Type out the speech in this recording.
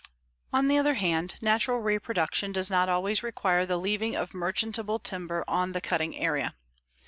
_ On the other hand, natural reproduction does not always require the leaving of merchantable timber on the cutting area.